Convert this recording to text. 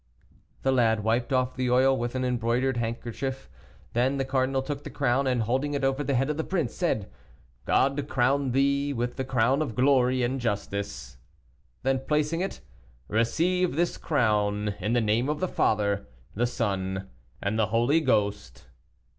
The lad wiped off the oil with an embroidered handkerchief. Then the cardinal took the crown, and, holding it over the head of the prince, said, "God crown thee with the crown of glory and justice." Then, placing it, "Receive this crown, in the name of the Father, the Son, and the Holy Ghost."